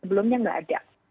sebelumnya nggak ada